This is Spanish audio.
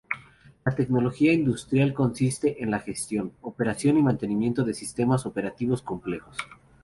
La tecnología Industrial consiste en la gestión, operación y mantenimiento de sistemas operativos complejos.